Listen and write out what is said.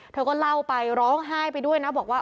เธอก็เล่าไปร้องไห้ไปด้วยนะบอกว่า